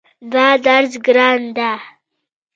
دا درس ګران ده